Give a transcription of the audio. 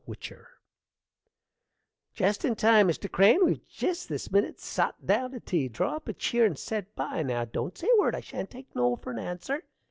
WHICHER Jest in time, Mr. Crane: we've jist this minit sot down to tea. Draw up a cheer and set by. Now, don't say a word: I shan't take no for an answer.